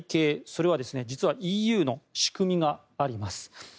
それは、実はＥＵの仕組みがあります。